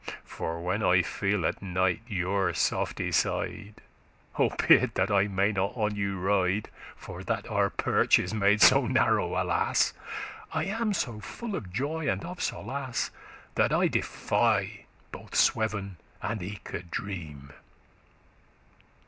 For when I feel at night your softe side, — Albeit that I may not on you ride, For that our perch is made so narrow, Alas! I am so full of joy and of solas,* *delight That I defy both sweven and eke dream."